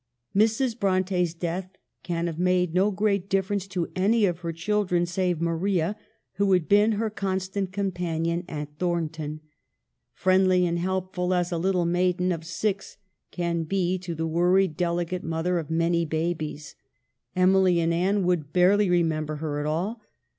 Mrs. Bronte's death can have made no great difference to any of her children save Maria, who had been her constant companion at Thorn ton ; friendly and helpful as a little maiden of six can be to the worried, delicate mother of many babies. Emily and Anne would barely remember her at all.